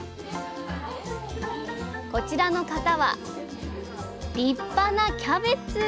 こちらの方は立派なキャベツ！